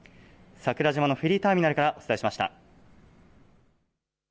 桜島のフェリーターミナルからお伝えしました。